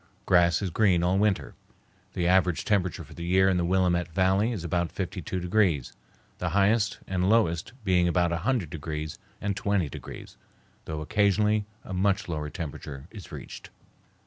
Grass is green all winter. The average temperature for the year in the Willamette Valley is about 52 degrees, the highest and lowest being about 100 degrees and 20 degrees, though occasionally a much lower temperature is reached.